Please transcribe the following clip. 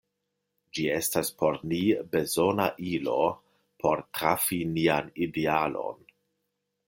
Ĝi estas por ni bezona ilo por trafi nian idealon.